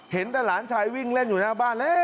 เห็นแต่หลานชายวิ่งเล่นอยู่หน้าบ้านแล้ว